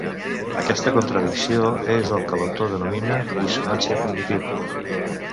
Aquesta contradicció és el que l'autor denomina dissonància cognitiva.